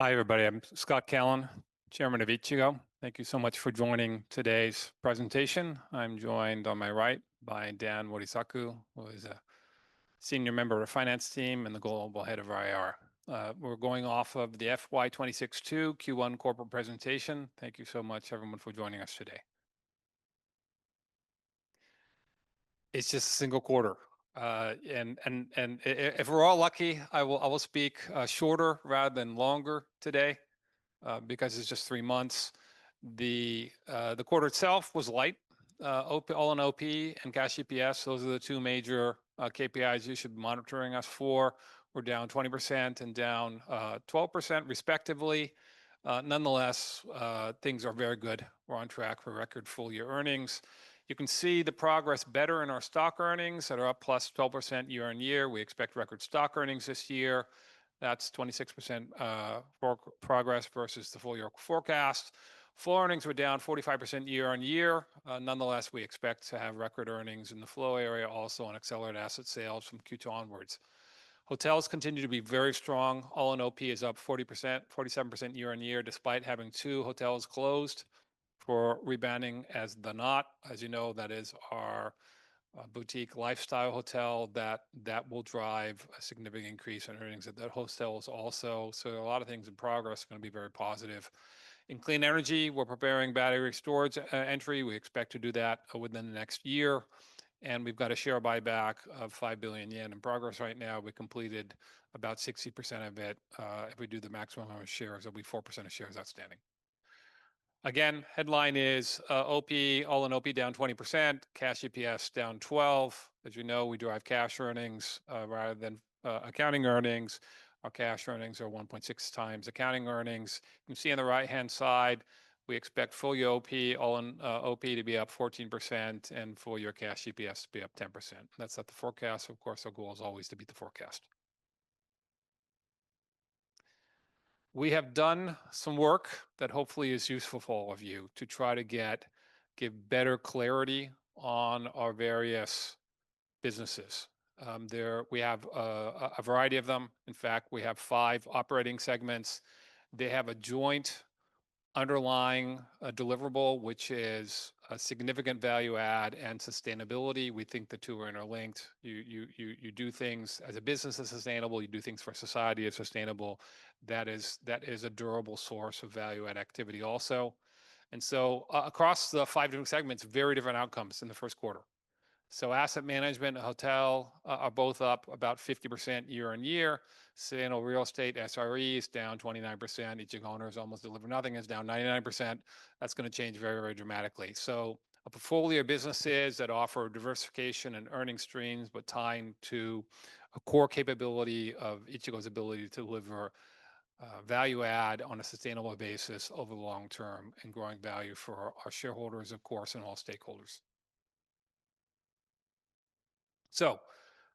Hi, everybody. I'm Scott Callon, Chairman of Ichigo. Thank you so much for joining today's presentation. I'm joined on my right by Dan Morisaku, who is a Senior Member of the Finance Team and the Global Head of IR. We're going off of the FY 2026-2 Q1 corporate presentation. Thank you so much, everyone, for joining us today. It's just a single quarter. If we're all lucky, I will speak shorter rather than longer today because it's just three months. The quarter itself was light. All-in OP and cash EPS, those are the two major KPIs you should be monitoring us for. We're down 20% and down 12% respectively. Nonetheless, things are very good. We're on track for record full-year earnings. You can see the progress better in our stock earnings that are up plus 12% year-on-year. We expect record stock earnings this year. That's 26% progress versus the full-year forecast. Flow earnings were down 45% year-on-year. Nonetheless, we expect to have record earnings in the flow area, also on accelerated asset sales from Q2 onwards. Hotels continue to be very strong. All-in OP is up 47% year-on-year despite having two hotels closed for rebranding as THE KNOT, as you know, that is our boutique lifestyle hotel that will drive a significant increase in earnings at that hotel also. A lot of things in progress are going to be very positive. In clean energy, we're preparing battery storage entry. We expect to do that within the next year. We've got a share buyback of 5 billion yen in progress right now. We completed about 60% of it. If we do the maximum amount of shares, it'll be 4% of shares outstanding. Again, headline is OP, all-in OP down 20%, cash EPS down 12%. As you know, we drive cash earnings rather than accounting earnings. Our cash earnings are 1.6x accounting earnings. You can see on the right-hand side, we expect full-year OP, all-in OP to be up 14% and full-year cash EPS to be up 10%. That's not the forecast. Of course, our goal is always to beat the forecast. We have done some work that hopefully is useful for all of you to try to give better clarity on our various businesses. We have a variety of them. In fact, we have five operating segments. They have a joint underlying deliverable, which is a significant value add and sustainability. We think the two are interlinked. You do things as a business that's sustainable; you do things for a society that's sustainable. That is a durable source of value-add activity also. Across the five different segments, very different outcomes in the first quarter. Asset management and hotel are both up about 50% year-on-year. Sale of real estate SREs down 29%. Ichigo owners almost delivered nothing, is down 99%. That is going to change very, very dramatically. A portfolio of businesses that offer diversification and earning streams, but tying to a core capability of Ichigo's ability to deliver value add on a sustainable basis over the long term and growing value for our shareholders, of course, and all stakeholders.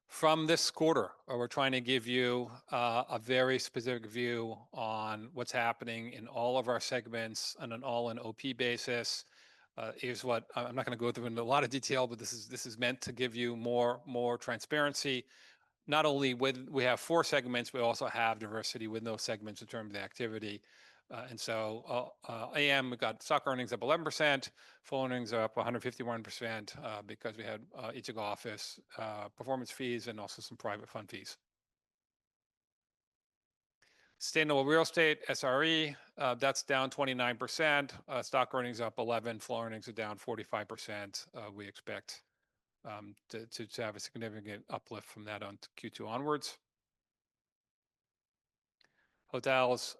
From this quarter, we're trying to give you a very specific view on what's happening in all of our segments on an all-in OP basis. Here's what I'm not going to go through in a lot of detail, but this is meant to give you more transparency. Not only do we have four segments, we also have diversity within those segments in terms of the activity. AM, we've got stock earnings up 11%, full earnings are up 151% because we had Ichigo office performance fees and also some private fund fees. Sustainable real estate SRE, that's down 29%. Stock earnings up 11%, flow earnings are down 45%. We expect to have a significant uplift from that on Q2 onwards. Hotels,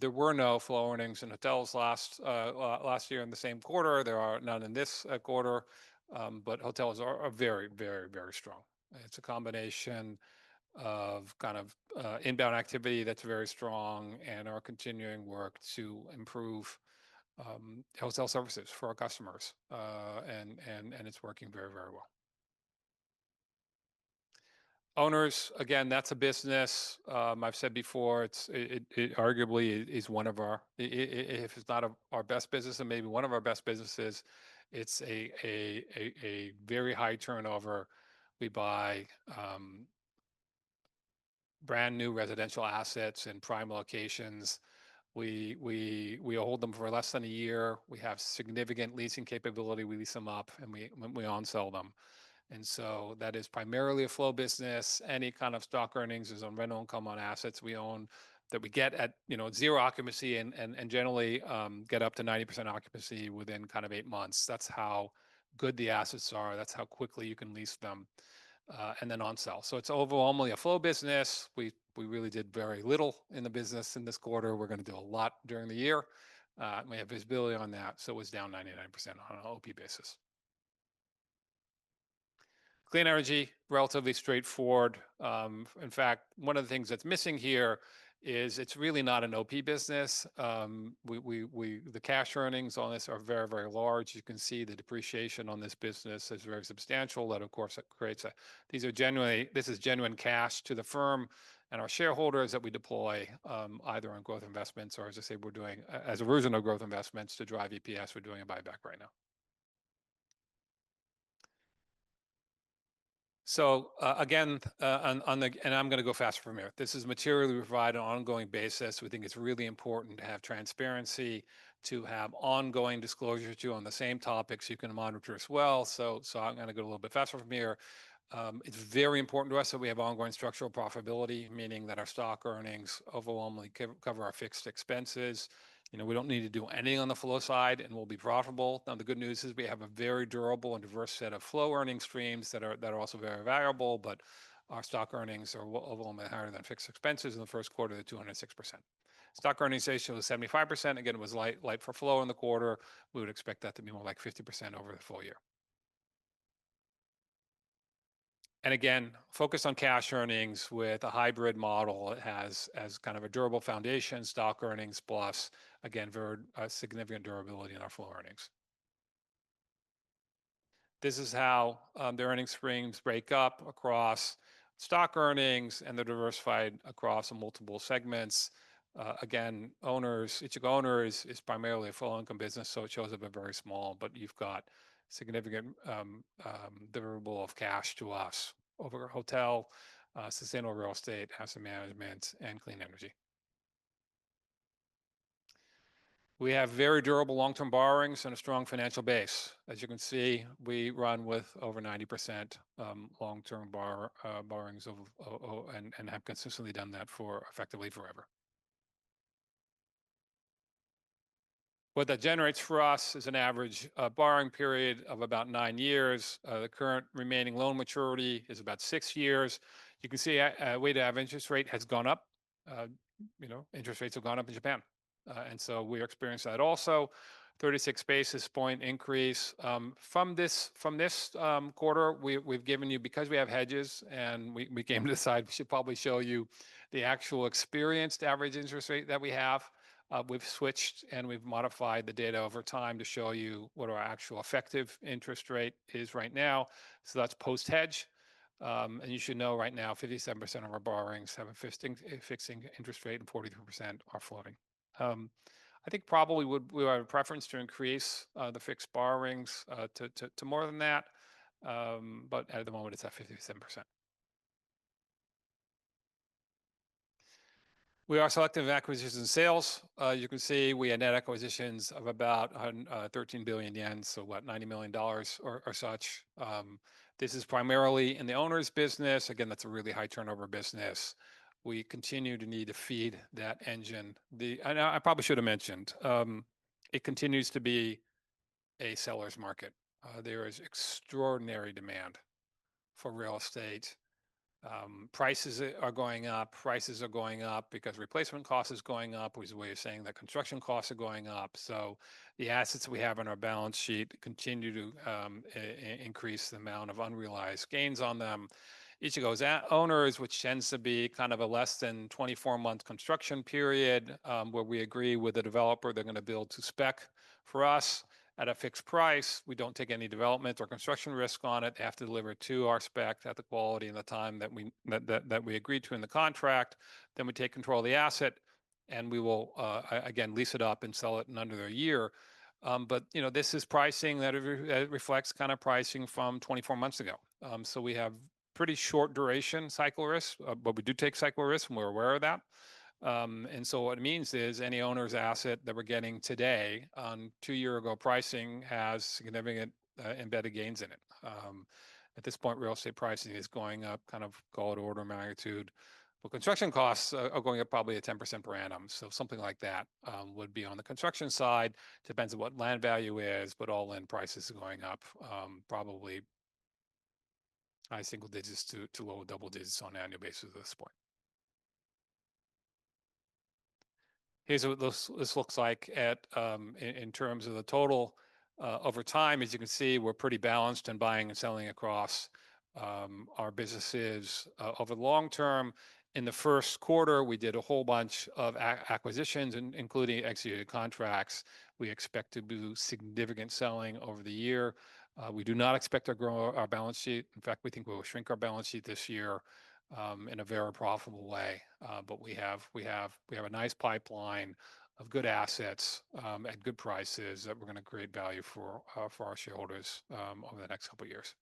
there were no flow earnings in hotels last year in the same quarter. There are none in this quarter, but hotels are very, very, very strong. It's a combination of kind of inbound activity that's very strong and our continuing work to improve hotel services for our customers. It's working very, very well. Owners, again, that's a business. I've said before, it arguably is one of our, if it's not our best business, then maybe one of our best businesses. It's a very high turnover. We buy brand new residential assets in prime locations. We hold them for less than a year. We have significant leasing capability. We lease them up and we on-sell them. That is primarily a flow business. Any kind of stock earnings is on rental income on assets we own that we get at zero occupancy and generally get up to 90% occupancy within kind of eight months. That's how good the assets are. That's how quickly you can lease them and then on-sell. It's overall only a flow business. We really did very little in the business in this quarter. We're going to do a lot during the year. We have visibility on that. It was down 99% on an OP basis. Clean energy, relatively straightforward. In fact, one of the things that's missing here is it's really not an OP business. The cash earnings on this are very, very large. You can see the depreciation on this business is very substantial. That, of course, creates a, these are genuinely, this is genuine cash to the firm and our shareholders that we deploy either on growth investments or, as I say, we're doing as a version of growth investments to drive EPS. We're doing a buyback right now. Again, I'm going to go faster from here. This is material we provide on an ongoing basis. We think it's really important to have transparency, to have ongoing disclosure to you on the same topics you can monitor as well. I'm going to go a little bit faster from here. It's very important to us that we have ongoing structural profitability, meaning that our stock earnings overwhelmingly cover our fixed expenses. You know, we don't need to do anything on the flow side and we'll be profitable. The good news is we have a very durable and diverse set of flow earning streams that are also very valuable, but our stock earnings are overwhelmingly higher than fixed expenses in the first quarter at 206%. Stock earnings ratio was 75%. It was light for flow in the quarter. We would expect that to be more like 50% over the full year. Again, focused on cash earnings with a hybrid model has kind of a durable foundation, stock earnings plus, again, very significant durability in our flow earnings. This is how the earning streams break up across stock earnings and they're diversified across multiple segments. Ichigo Owners is primarily a full-income business, so it shows up in very small, but you've got significant deliverable of cash to us over hotel, sustainable real estate, asset management, and clean energy. We have very durable long-term borrowings and a strong financial base. As you can see, we run with over 90% long-term borrowings and have consistently done that for effectively forever. What that generates for us is an average borrowing period of about nine years. The current remaining loan maturity is about six years. You can see a way to have interest rate has gone up. You know, interest rates have gone up in Japan. We experienced that also. 36 basis point increase. From this quarter, we've given you, because we have hedges and we came to decide we should probably show you the actual experienced average interest rate that we have. We've switched and we've modified the data over time to show you what our actual effective interest rate is right now. That's post-hedge. You should know right now 57% of our borrowings have a fixed interest rate and 43% are floating. I think probably we would have a preference to increase the fixed borrowings to more than that, but at the moment it's at 57%. We are selective acquisitions and sales. You can see we had net acquisitions of about 13 billion yen, so about $90 million or such. This is primarily in the owners segment. Again, that's a really high turnover business. We continue to need to feed that engine. I probably should have mentioned, it continues to be a seller's market. There is extraordinary demand for real estate. Prices are going up. Prices are going up because replacement cost is going up. We're saying that construction costs are going up. The assets we have on our balance sheet continue to increase the amount of unrealized gains on them. Ichigo Owners, which tends to be kind of a less than 24-month construction period where we agree with the developer they're going to build to spec for us at a fixed price. We don't take any development or construction risk on it. They have to deliver to our spec at the quality and the time that we agreed to in the contract. We take control of the asset and we will again lease it up and sell it in under a year. This is pricing that reflects kind of pricing from 24 months ago. We have pretty short duration cycle risks, but we do take cycle risks and we're aware of that. What it means is any owners asset that we're getting today on two-year ago pricing has significant embedded gains in it. At this point, real estate pricing is going up kind of gold order magnitude, but construction costs are going up probably at 10% per annum. Something like that would be on the construction side. Depends on what land value is, but all-in prices are going up probably high single digits to low double digits on an annual basis at this point. Here's what this looks like in terms of the total over time. As you can see, we're pretty balanced in buying and selling across our businesses over the long term. In the first quarter, we did a whole bunch of acquisitions, including executed contracts. We expect to do significant selling over the year. We do not expect to grow our balance sheet. In fact, we think we'll shrink our balance sheet this year in a very profitable way. We have a nice pipeline of good assets at good prices that we're going to create value for our shareholders over the next couple of years.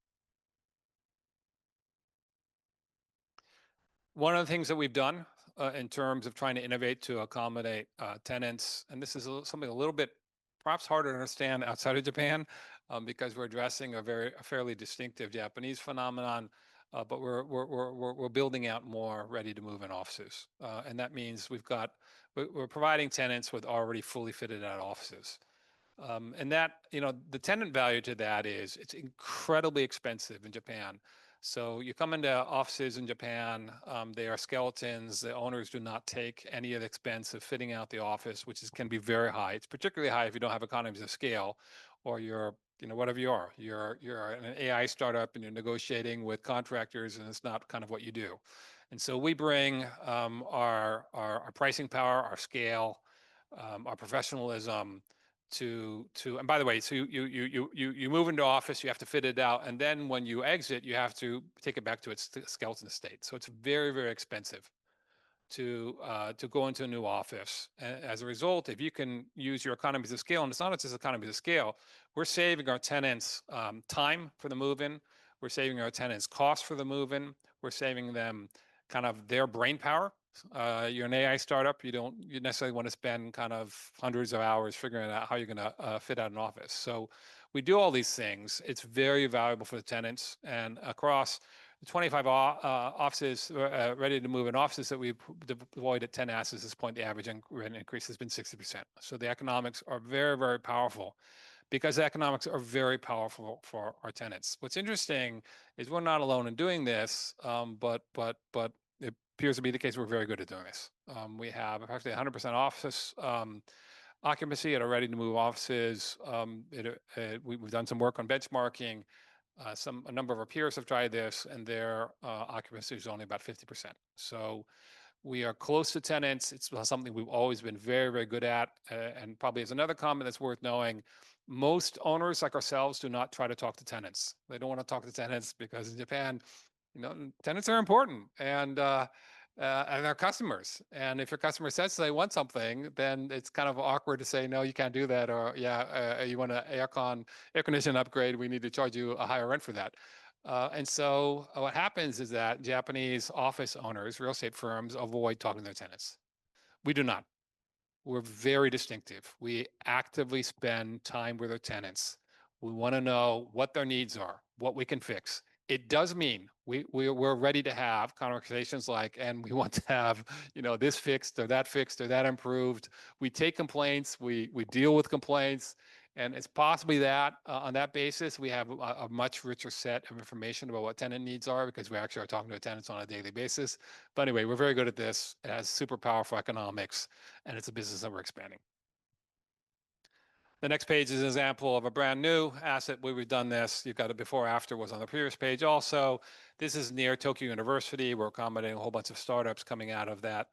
One of the things that we've done in terms of trying to innovate to accommodate tenants, and this is something a little bit perhaps harder to understand outside of Japan because we're addressing a fairly distinctive Japanese phenomenon, we're building out more ready-to-move-in offices. That means we're providing tenants with already fully fitted-out offices. The tenant value to that is it's incredibly expensive in Japan. You come into offices in Japan, they are skeletons. The owners do not take any of the expense of fitting out the office, which can be very high. It's particularly high if you don't have economies of scale or you're, you know, whatever you are. You're an AI startup and you're negotiating with contractors and it's not kind of what you do. We bring our pricing power, our scale, our professionalism to it. By the way, you move into office, you have to fit it out, and then when you exit, you have to take it back to its skeleton state. It's very, very expensive to go into a new office. As a result, if you can use your economies of scale, and it's not just economies of scale, we're saving our tenants time for the move-in, we're saving our tenants cost for the move-in, we're saving them kind of their brain power. You're an AI startup, you don't necessarily want to spend kind of hundreds of hours figuring out how you're going to fit out an office. We do all these things, it's very valuable for the tenants, and across the 25 ready-to-move-in offices that we've deployed at 10 assets at this point, the average rent increase has been 60%. The economics are very, very powerful because the economics are very powerful for our tenants. What's interesting is we're not alone in doing this, but it appears to be the case we're very good at doing this. We have approximately 100% office occupancy at our ready-to-move-in offices. We've done some work on benchmarking. A number of our peers have tried this and their occupancy is only about 50%. We are close to tenants. It's something we've always been very, very good at. Probably as another comment that's worth knowing, most owners like ourselves do not try to talk to tenants. They don't want to talk to tenants because in Japan, you know, tenants are important and they're customers. If your customer says they want something, then it's kind of awkward to say, no, you can't do that, or yeah, you want an air conditioning upgrade, we need to charge you a higher rent for that. What happens is that Japanese office owners, real estate firms, avoid talking to their tenants. We do not. We're very distinctive. We actively spend time with our tenants. We want to know what their needs are, what we can fix. It does mean we're ready to have conversations like, we want to have, you know, this fixed or that fixed or that improved. We take complaints, we deal with complaints, and it's possibly that on that basis, we have a much richer set of information about what tenant needs are because we actually are talking to tenants on a daily basis. We're very good at this. It has super powerful economics and it's a business that we're expanding. The next page is an example of a brand new asset. We've done this. You've got a before-after, was on the previous page also. This is near Tokyo University. We're accommodating a whole bunch of startups coming out of the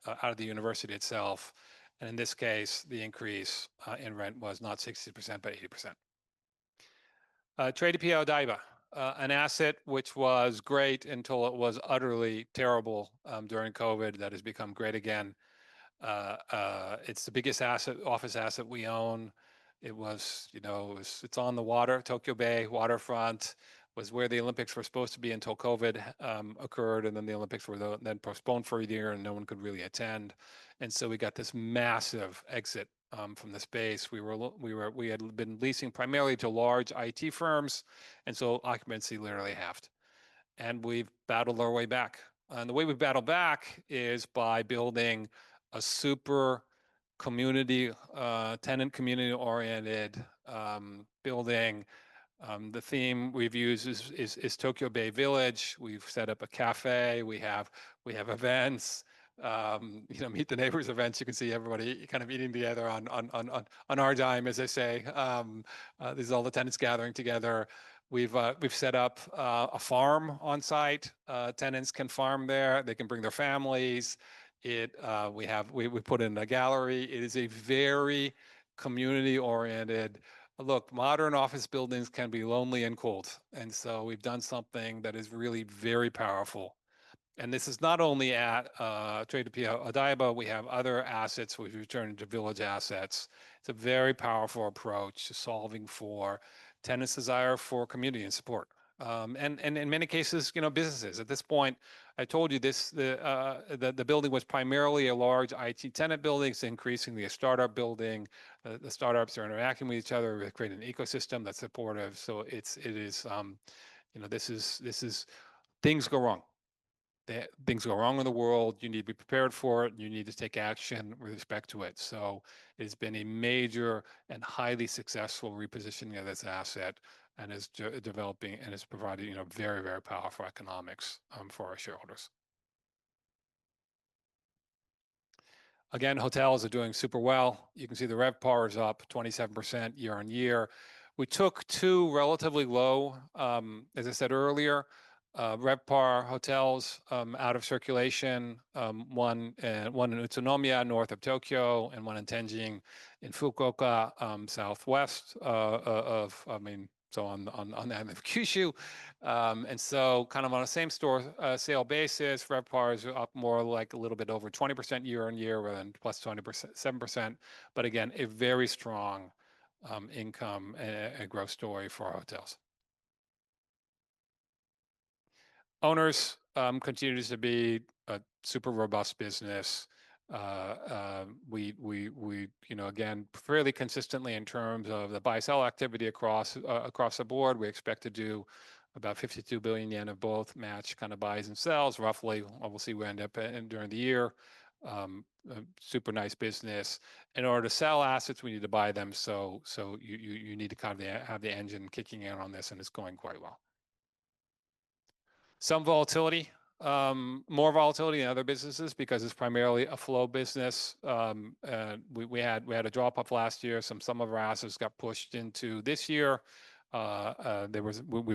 university itself. In this case, the increase in rent was not 60% but 80%. Tradepia Odaiba, an asset which was great until it was utterly terrible during COVID, has become great again. It's the biggest office asset we own. It's on the water. Tokyo Bay Waterfront was where the Olympics were supposed to be until COVID occurred, and the Olympics were then postponed for a year and no one could really attend. We got this massive exit from the space. We had been leasing primarily to large IT firms, and occupancy literally halved. We've battled our way back. The way we've battled back is by building a super tenant community-oriented building. The theme we've used is Tokyo Bay Village. We've set up a cafe. We have events, you know, meet the neighbors events. You can see everybody kind of eating together on our dime, as they say. These are all the tenants gathering together. We've set up a farm on site. Tenants can farm there. They can bring their families. We put in a gallery. It is a very community-oriented look. Modern office buildings can be lonely and cold. We've done something that is really very powerful. This is not only at Tradepia Odaiba. We have other assets which we've turned into village assets. It's a very powerful approach to solving for tenants' desire for community and support. In many cases, you know, businesses. At this point, I told you this, the building was primarily a large IT tenant building. It's increasingly a startup building. The startups are interacting with each other. We've created an ecosystem that's supportive. It is, you know, this is, things go wrong. Things go wrong in the world. You need to be prepared for it. You need to take action with respect to it. It has been a major and highly successful repositioning of this asset and is developing and is providing, you know, very, very powerful economics for our shareholders. Again, hotels are doing super well. You can see the RevPAR is up 27% year-on-year. We took two relatively low, as I said earlier, RevPAR hotels out of circulation, one in Utsunomiya north of Tokyo and one in Tenjin in Fukuoka southwest of, I mean, on the island of Kyushu. On a same store sale basis, RevPAR is up more like a little bit over 20% year-on-year rather than +27%. Again, a very strong income and growth story for our hotels. Owners continue to be a super robust business. We, you know, again, fairly consistently in terms of the buy-sell activity across the board, we expect to do about 52 billion yen of both match kind of buys and sells, roughly. We'll see where we end up during the year. Super nice business. In order to sell assets, we need to buy them. You need to kind of have the engine kicking in on this and it's going quite well. Some volatility, more volatility than other businesses because it's primarily a flow business. We had a drop-off last year. Some of our assets got pushed into this year. We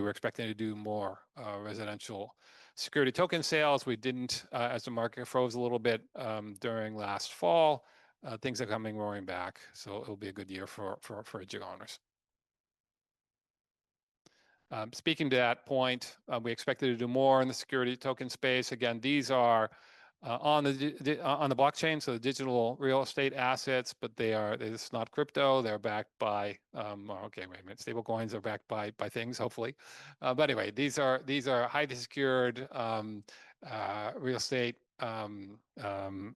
were expecting to do more residential security token sales. We didn't as the market froze a little bit during last fall. Things are coming roaring back. It'll be a good year for Ichigo Owners. Speaking to that point, we expected to do more in the security token space. These are on the blockchain, so the digital real estate assets, but they are, it's not crypto. They're backed by, okay, wait a minute, stablecoins are backed by things, hopefully. Anyway, these are highly secured real estate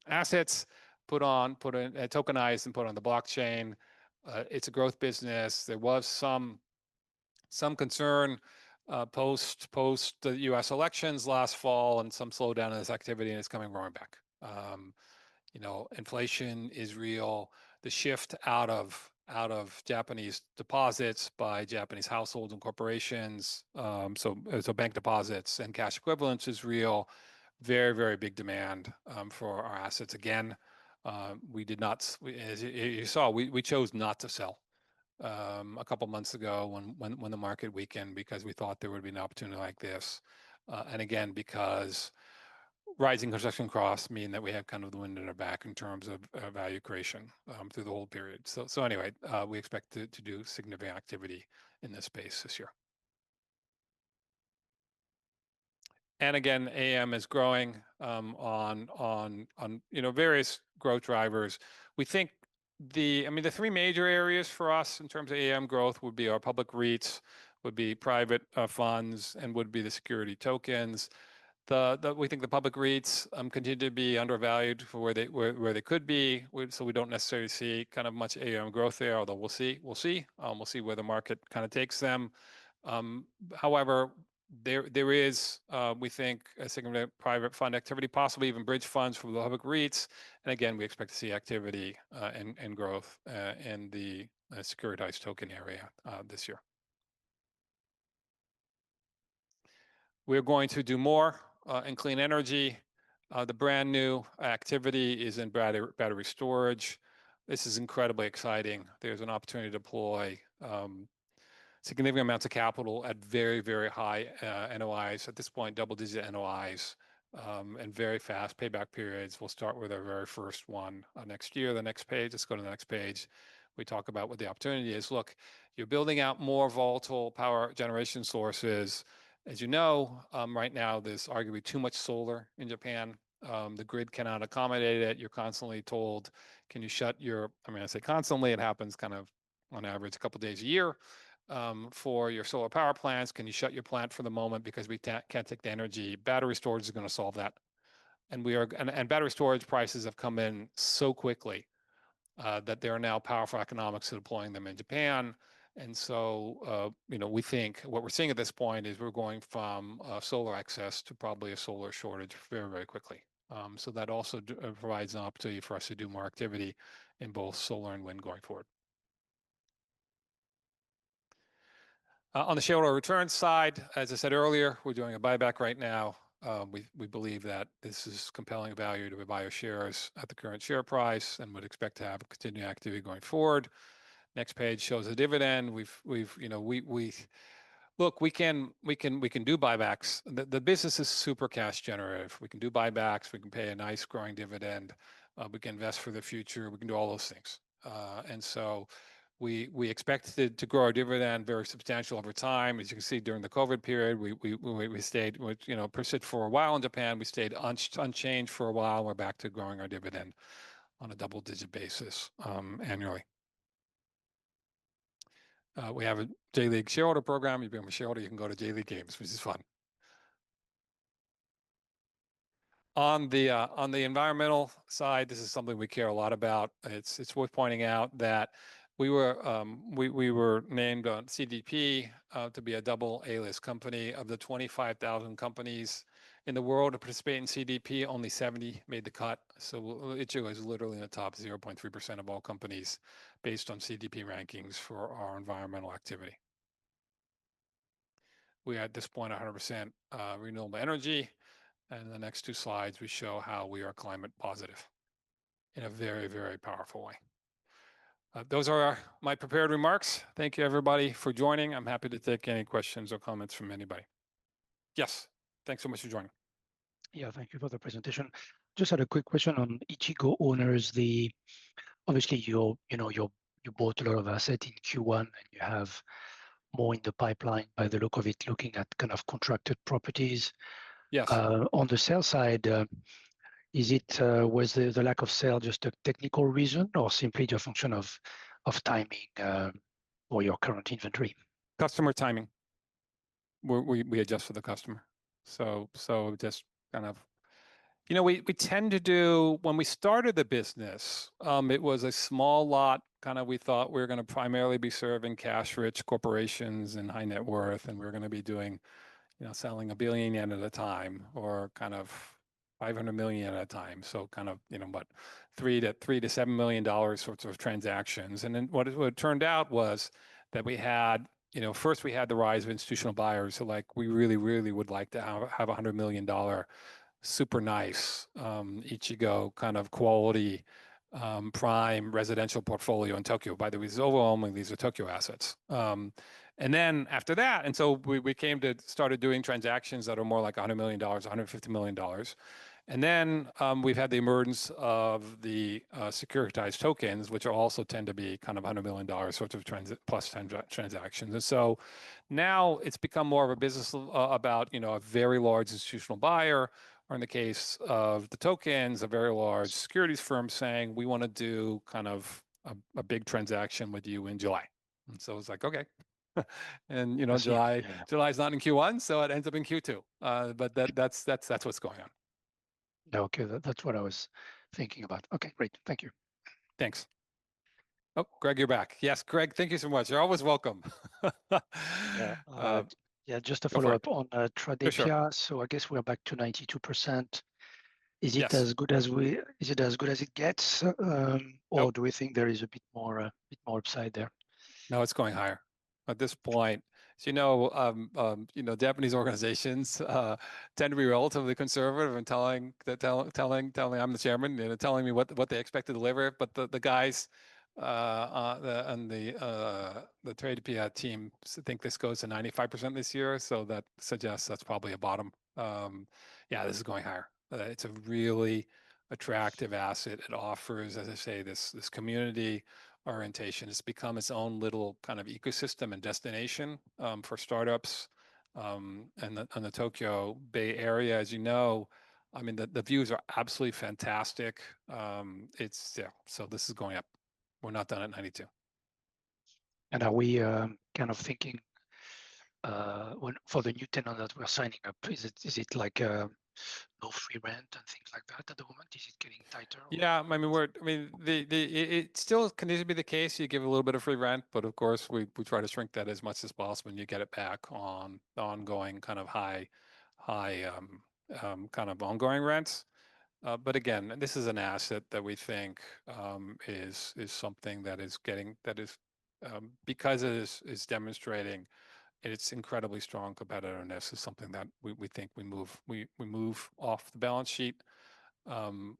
assets put on, put in, tokenized and put on the blockchain. It's a growth business. There was some concern post the U.S. elections last fall and some slowdown in this activity and it's coming roaring back. You know, inflation is real. The shift out of Japanese deposits by Japanese households and corporations. Bank deposits and cash equivalents is real. Very, very big demand for our assets. We did not, as you saw, we chose not to sell a couple of months ago when the market weakened because we thought there would be an opportunity like this. Rising construction costs mean that we have kind of the wind in our back in terms of value creation through the whole period. We expect to do significant activity in this space this year. AM is growing on various growth drivers. We think the three major areas for us in terms of AM growth would be our public REITs, private funds, and the security tokens. We think the public REITs continue to be undervalued for where they could be. We do not necessarily see much AM growth there, although we will see where the market kind of takes them. There is, we think, significant private fund activity, possibly even bridge funds from the public REITs. We expect to see activity and growth in the securitized token area this year. We are going to do more in clean energy. The brand new activity is in battery storage. This is incredibly exciting. There is an opportunity to deploy significant amounts of capital at very, very high NOIs. At this point, double-digit NOIs and very fast payback periods. We will start with our very first one next year. The next page, let's go to the next page. We talk about what the opportunity is. You are building out more volatile power generation sources. As you know, right now, there is arguably too much solar in Japan. The grid cannot accommodate it. You are constantly told, can you shut your, I mean, I say constantly, it happens kind of on average a couple of days a year for your solar power plants. Can you shut your plant for the moment because we cannot take the energy? Battery storage is going to solve that. Battery storage prices have come in so quickly that there are now powerful economics to deploying them in Japan. We think what we are seeing at this point is we are going from solar excess to probably a solar shortage very, very quickly. That also provides an opportunity for us to do more activity in both solar and wind going forward. On the shareholder return side, as I said earlier, we are doing a buyback right now. We believe that this is compelling value to buy our shares at the current share price and would expect to have continued activity going forward. Next page shows a dividend. We can do buybacks. The business is super cash generative. We can do buybacks. We can pay a nice growing dividend. We can invest for the future. We can do all those things. We expect to grow our dividend very substantial over time. As you can see, during the COVID period, we stayed, you know, for a while in Japan. We stayed unchanged for a while. We're back to growing our dividend on a double-digit basis annually. We have a daily shareholder program. If you're a shareholder, you can go to daily games, which is fun. On the environmental side, this is something we care a lot about. It's worth pointing out that we were named on CDP to be a double A-list company. Of the 25,000 companies in the world to participate in CDP, only 70 made the cut. Ichigo is literally in the top 0.3% of all companies based on CDP rankings for our environmental activity. We are at this point 100% renewable energy. In the next two slides, we show how we are climate positive in a very, very powerful way. Those are my prepared remarks. Thank you, everybody, for joining. I'm happy to take any questions or comments from anybody. Yes, thanks so much for joining. Thank you for the presentation. Just had a quick question on Ichigo Owners. Obviously, you bought a lot of assets in Q1 and you have more in the pipeline by the look of it, looking at kind of contracted properties. Yes. On the sale side, was the lack of sale just a technical reason, or simply a function of timing or your current inventory? Customer timing. We adjust for the customer. We tend to do, when we started the business, it was a small lot. We thought we were going to primarily be serving cash-rich corporations and high net worth, and we were going to be doing, you know, selling 1 billion yen at a time or 500 million at a time. What, $3 million-$7 million sorts of transactions. It turned out that we had, first, the rise of institutional buyers who were like, we really, really would like to have a $100 million super nice Ichigo kind of quality prime residential portfolio in Tokyo. By the way, these are Tokyo assets. After that, we came to start doing transactions that are more like $100 million, $150 million. We've had the emergence of the securitized tokens, which also tend to be $100 million sorts of plus transactions. Now it's become more of a business about a very large institutional buyer or, in the case of the tokens, a very large securities firm saying we want to do a big transaction with you in July. July is not in Q1, so it ends up in Q2. That's what's going on. Yeah, okay, that's what I was thinking about. Okay, great. Thank you. Thanks. Oh, Greg, you're back. Yes, Greg, thank you so much. You're always welcome. Yeah, just to follow up on the traditional, I guess we're back to 92%. Is it as good as we, is it as good as it gets, or do we think there is a bit more, a bit more upside there? No, it's going higher at this point. Japanese organizations tend to be relatively conservative in telling that, telling I'm the Chairman and telling me what they expect to deliver. The guys on the Tradepia team think this goes to 95% this year. That suggests that's probably a bottom. This is going higher. It's a really attractive asset. It offers, as I say, this community orientation. It's become its own little kind of ecosystem and destination for startups. On the Tokyo Bay area, as you know, the views are absolutely fantastic. This is going up. We're not done at 92%. Are we kind of thinking for the new tenant that we're signing up, is it like no free rent and things like that at the moment? Is it getting tighter? Yeah, I mean, it still can easily be the case. You give a little bit of free rent, but of course we try to shrink that as much as possible, and you get it back on the ongoing kind of high kind of ongoing rents. This is an asset that we think is something that is getting, that is because it is demonstrating its incredibly strong competitiveness, is something that we think we move, we move off the balance sheet.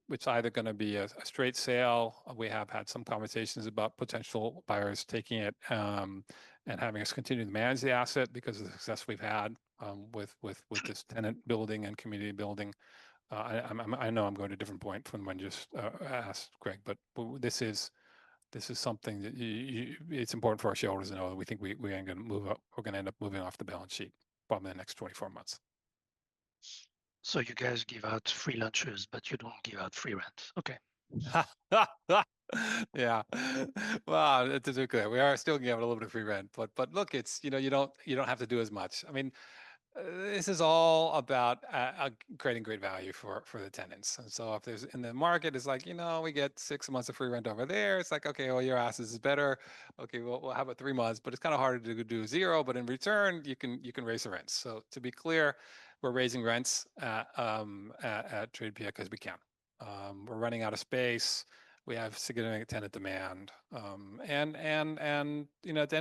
It's either going to be a straight sale. We have had some conversations about potential buyers taking it and having us continue to manage the asset because of the success we've had with this tenant building and community building. I know I'm going to a different point from when I just asked Greg, but this is something that it's important for our shareholders to know that we think we are going to move up. We're going to end up moving off the balance sheet probably in the next 24 months. You guys give out free lunches, but you don't give out free rent. Okay. To be clear, we are still giving out a little bit of free rent, but look, you don't have to do as much. This is all about creating great value for the tenants. If there's in the market, it's like, you know, we get six months of free rent over there. It's like, okay, well, your assets are better. Okay, we'll have it three months, but it's kind of harder to do zero. In return, you can raise the rent. To be clear, we're raising rents Tradepia Odaiba because we can. We're running out of space. We have significant tenant demand. At the end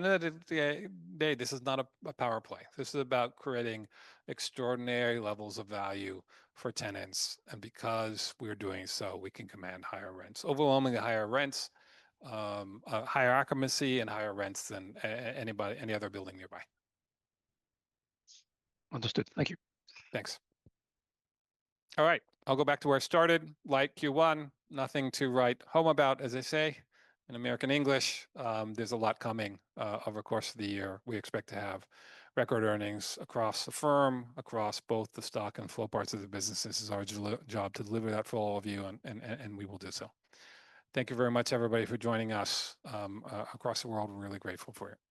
of the day, this is not a power play. This is about creating extraordinary levels of value for tenants. Because we're doing so, we can command higher rents, overwhelmingly higher rents, higher occupancy, and higher rents than anybody, any other building nearby. Understood. Thank you. Thanks. All right, I'll go back to where I started. Like Q1, nothing to write home about, as they say in American English. There's a lot coming over the course of the year. We expect to have record earnings across the firm, across both the stock and flow parts of the business. This is our job to deliver that for all of you, and we will do so. Thank you very much, everybody, for joining us across the world. We're really grateful for you. Thanks.